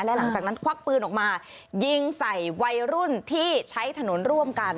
และหลังจากนั้นควักปืนออกมายิงใส่วัยรุ่นที่ใช้ถนนร่วมกัน